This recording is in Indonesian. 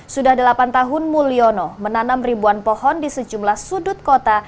sudah delapan tahun mulyono menanam ribuan pohon di sejumlah sudut kota